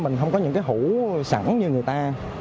mình không có những cái hủ sẵn như người ta